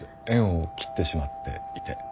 縁を切ってしまっていて。